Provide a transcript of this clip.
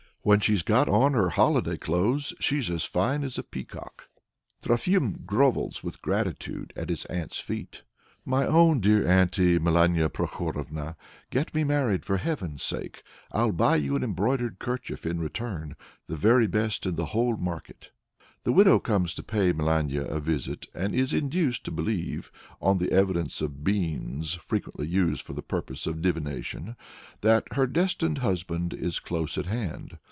When she's got on her holiday clothes, she's as fine as a peacock!" Trofim grovels with gratitude at his aunt's feet. "My own dear auntie, Melania Prokhorovna, get me married for heaven's sake! I'll buy you an embroidered kerchief in return, the very best in the whole market." The widow comes to pay Melania a visit, and is induced to believe, on the evidence of beans (frequently used for the purpose of divination), that her destined husband is close at hand.